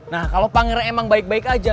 nah kalau pangeran emang baik baik aja